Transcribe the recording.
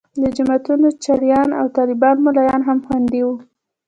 د جوماتونو چړیان او طالبان ملایان هم خوندي وو.